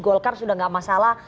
golkar sudah tidak masalah